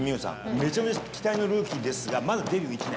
めちゃめちゃ期待のルーキーですが、まだデビュー１年。